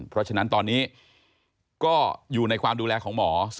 เพราะฉะนั้นตอนนี้ก็อยู่ในความดูแลของหมอ